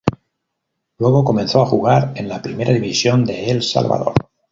Luego comenzó a jugar en la Primera División de El Salvador.